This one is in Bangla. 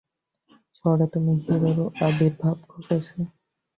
শহরে নতুন হিরোর আবির্ভাব ঘটেছে!